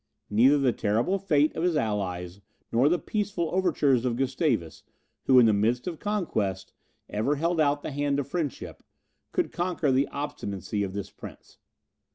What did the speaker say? Neither the terrible fate of his allies, nor the peaceful overtures of Gustavus, who, in the midst of conquest, ever held out the hand of friendship, could conquer the obstinacy of this prince.